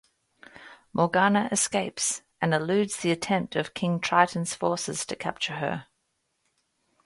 Morgana escapes, and eludes the attempt of King Triton's forces to capture her.